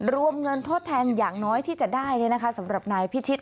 รวมเงินทดแทนอย่างน้อยที่จะได้สำหรับนายพิชิต